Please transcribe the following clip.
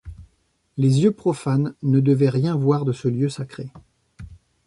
Les yeux profanes ne devaient rien voir de ce lieu sacré.